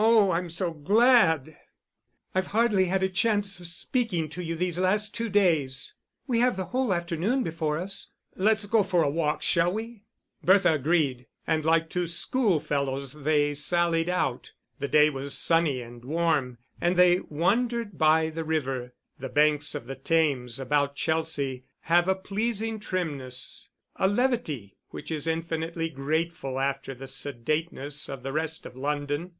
"Oh, I'm so glad. I've hardly had a chance of speaking to you these last two days." "We have the whole afternoon before us." "Let's go for a walk, shall we?" Bertha agreed, and like two schoolfellows they sallied out. The day was sunny and warm, and they wandered by the river. The banks of the Thames about Chelsea have a pleasing trimness, a levity which is infinitely grateful after the sedateness of the rest of London.